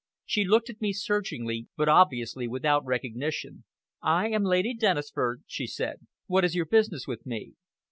She looked at me searchingly, but obviously without recognition. "I am Lady Dennisford," she said. "What is your business with me?"